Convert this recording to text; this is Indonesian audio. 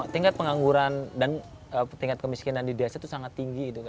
tingkat pengangguran dan tingkat kemiskinan di desa itu sangat tinggi